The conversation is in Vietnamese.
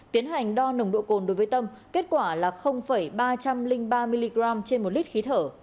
tiến hành đo nồng độ cồn đối với tâm kết quả là ba trăm linh ba mg trên một lít khí thở